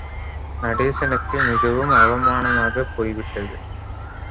நடேசனுக்கு மிகவும் அவமானமாகப் போய்விட்டது.